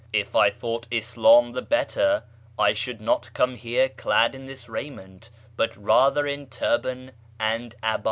If I thought Islam the better, I should not come here clad in this raiment, but rather in turban and 'ahd."